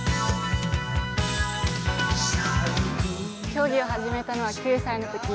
競技を始めたのは９歳のとき。